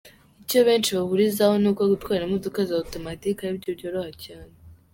Icyo benshi bahurizaho ni uko gutwara imodoka za automatic ari byo byoroha cyane.